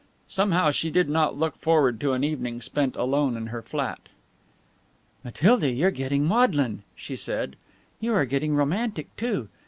Somehow she did not look forward to an evening spent alone in her flat. "Matilda, you're getting maudlin," she said, "you are getting romantic, too.